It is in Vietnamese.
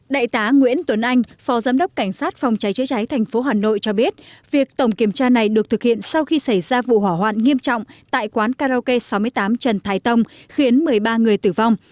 đại tá nguyễn tuấn anh phó giám đốc cảnh sát phòng cháy chữa cháy tp hà nội cho biết việc tổng kiểm tra này được thực hiện sau khi xảy ra vụ hỏa hoạn nghiêm trọng tại quán karaoke sáu mươi tám trần thái tông khiến một mươi ba người tử vong